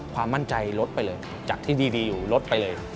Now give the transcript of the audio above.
ความมั่นใจลดไปเลยจากที่ดีอยู่ลดไปเลย